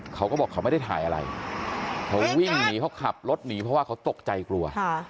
เขาก็บอกเขาไม่ได้ถ่ายอะไรเขาวิ่งหนีเขาขับรถหนีเพราะว่าเขาตกใจกลัว